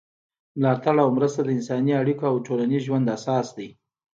ملاتړ او مرسته د انساني اړیکو او ټولنیز ژوند اساس دی.